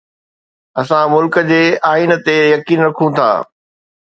اسان ملڪ جي آئين تي يقين رکون ٿا.